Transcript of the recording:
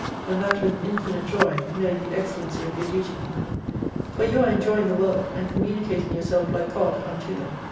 And that with infinite joy, knowing the excel lency of your duty. For you are enjoying the world, and communicating yourself like God unto them.